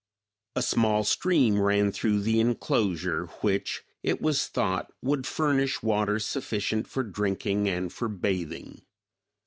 A small stream ran through the inclosure, which, it was thought, would furnish water sufficient for drinking and for bathing.